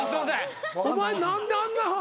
お前何であんな叶